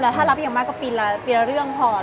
แต่ถ้ารับอย่างมากก็ปีละปีละเรื่องพอ